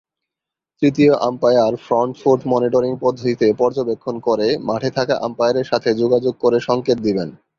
তৃতীয় umpire front foot monitoring পদ্ধতিতে পর্যবেক্ষণ করে, মাঠে থাকা আম্পায়ারের সাথে যোগাযোগ করে সংকেত দিবেন।